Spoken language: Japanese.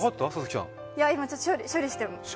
今処理してます